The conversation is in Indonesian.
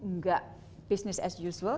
nggak business as usual